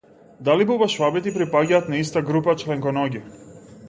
Дали бубашвабите и припаѓаат на иста група членконоги?